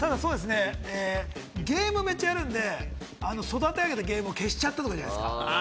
ゲーム、めっちゃやるんで育て上げたゲームを消しちゃったとかじゃないですか？